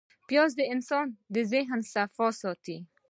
پیاز د انسان د ذهن صفا ساتي